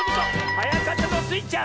はやかったのはスイちゃん。